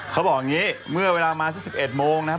เขาบอกอย่างนี้เมื่อเวลามาสัก๑๑โมงนะครับ